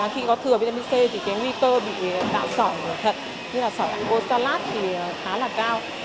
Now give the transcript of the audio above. khi có thừa vitamin c thì cái nguy cơ bị tạo sỏn thật như là sỏn bột salad thì khá là cao